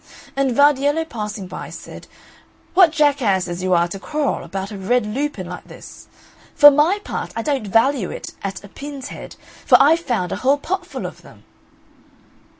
And Vardiello passing by said, "What jackasses you are to quarrel about a red lupin like this! For my part I don't value it at a pin's head, for I've found a whole potful of them."